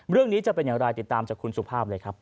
จะเป็นอย่างไรติดตามจากคุณสุภาพเลยครับ